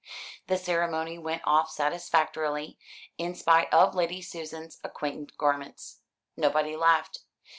The ceremony went off satisfactorily, in spite of Lady Susan's antiquated garments. Nobody laughed.